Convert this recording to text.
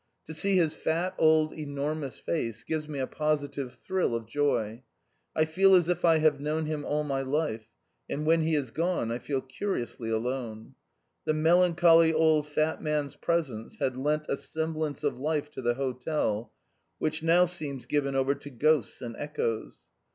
To see his fat, old, enormous face gives me a positive thrill of joy. I feel as if I have known him all my life, and when he has gone I feel curiously alone. The melancholy old fat man's presence had lent a semblance of life to the hotel, which how seems given over to ghosts and echoes.